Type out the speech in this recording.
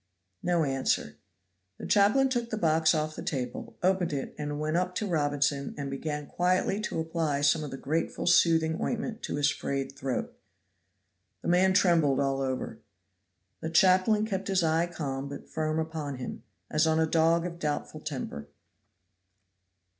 No answer. The chaplain took the box off the table, opened it and went up to Robinson and began quietly to apply some of the grateful soothing ointment to his frayed throat. The man trembled all over. The chaplain kept his eye calm but firm upon him, as on a dog of doubtful temper.